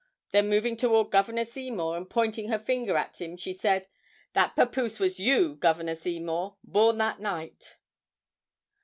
Then moving toward Governor Seymour, and pointing her finger at him, she said: "That pappoose was you, Governor Seymour, born that night."